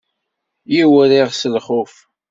Yiwriɣ s lxuf.